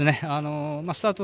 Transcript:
スタート